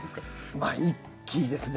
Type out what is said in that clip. まあ一気にですね。